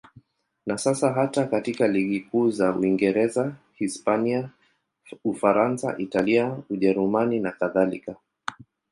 Na sasa hata katika ligi kuu za Uingereza, Hispania, Ufaransa, Italia, Ujerumani nakadhalika.